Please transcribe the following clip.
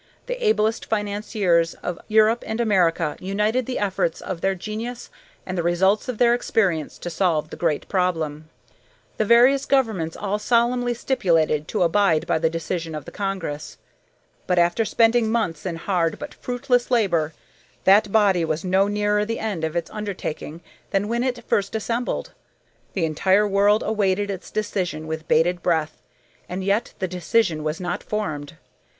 The ablest financiers of Europe and America united the efforts of their genius and the results of their experience to solve the great problem. The various governments all solemnly stipulated to abide by the decision of the congress. But, after spending months in hard but fruitless labor, that body was no nearer the end of its undertaking than when it first assembled. The entire world awaited its decision with bated breath, and yet the decision was not formed.